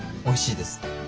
おいしいです。